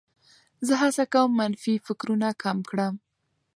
زه هڅه کوم منفي فکرونه کم کړم.